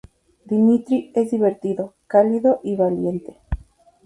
Dimitri es divertido, cálido y valiente.